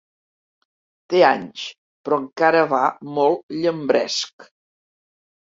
Té anys, però encara va molt llambresc.